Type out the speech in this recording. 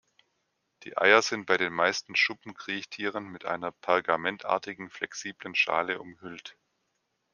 Die Eier sind bei den meisten Schuppenkriechtieren mit einer pergamentartigen, flexiblen Schale umhüllt.